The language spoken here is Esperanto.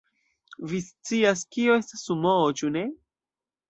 Vi scias, kio estas sumoo, ĉu ne?